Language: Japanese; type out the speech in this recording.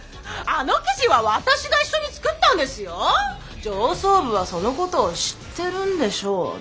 上層部はそのことを知ってるんでしょうな？